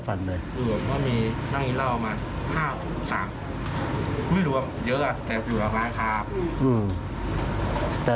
เพื่อนด้วยช่วยหรือเปล่า